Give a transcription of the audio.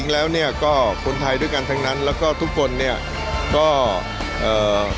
แล้วเนี่ยก็คนไทยด้วยกันทั้งนั้นแล้วก็ทุกคนเนี่ยก็เอ่อ